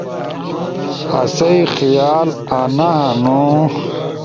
آسئی خیال انا ہنو،